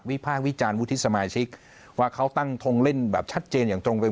มิพิพาทวิจารณ์วุฒิสมาชิกว่าเขาตั้งทรงเล่นแบบชัดเจน